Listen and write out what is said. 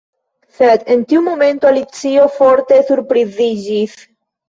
Sed en tiu momento Alicio forte surpriziĝis.